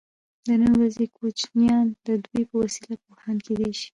د نن ورځې کوچنیان د دوی په وسیله پوهان کیدای شي.